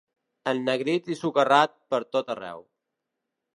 Ennegrit i socarrat pertot arreu.